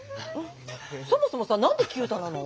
そもそもさなんで九太なの？